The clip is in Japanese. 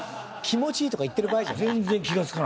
気持ちいいとか言ってる場合じゃない。